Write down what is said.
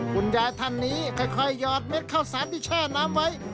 คุณยายท่านนี้ค่อยหยอดเม็ดข้าวสารที่แช่น้ำไว้